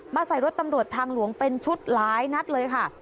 ใส่รถตำรวจทางหลวงเป็นชุดหลายนัดเลยค่ะ